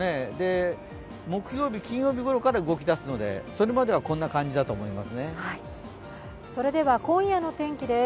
木曜日、金曜日ごろから動き出すので、それまではこんな感じだと思います。